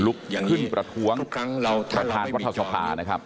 ขึ้นประท้วงประธานรัฐสภานะครับ